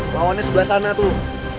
lawannya sebelah sana tuh